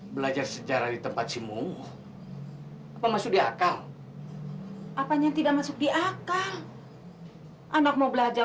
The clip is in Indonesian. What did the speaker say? belajar sejarah di tempat simu apa masuk di akal apanya tidak masuk di akar anak mau belajar